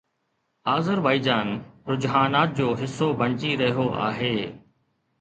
Azerbaijan رجحانات جو حصو بڻجي رهيو آهي